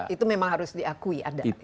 itu memang harus diakui ada